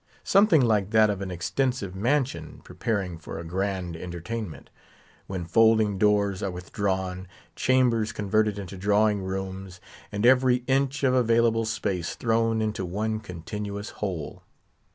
Something like that of an extensive mansion preparing for a grand entertainment, when folding doors are withdrawn, chambers converted into drawing rooms, and every inch of available space thrown into one continuous whole.